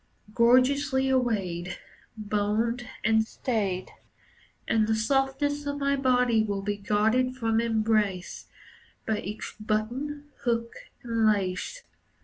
Gorgeously arrayed, Boned and stayed. And the softness of my body will be guarded from embrace By each button, hook, and lace.